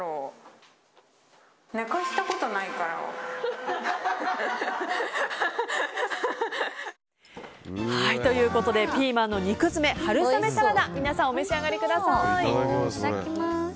寝かせたことないから。ということでピーマンの肉詰め、春雨サラダ皆さんお召し上がりください。